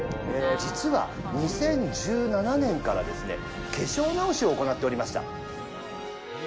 実は、２０１７年からですね、化粧直しを行っておりました。